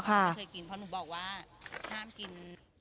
เพราะหนูบอกว่าห้ามกิน